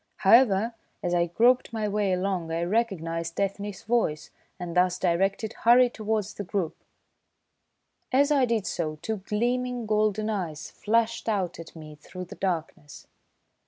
However, as I groped my way along, I recognised Ethne's voice, and thus directed, hurried towards the group. As I did so two gleaming, golden eyes flashed out at me through the darkness.